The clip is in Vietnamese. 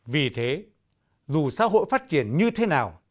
vì thế dù xã hội phát triển như thế nào